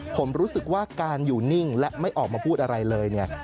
ผมรู้สึกว่าการอยู่นิ่งและไม่ออกมาพูดอะไรเลยเนี่ย